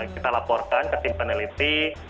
kita laporkan ke tim peneliti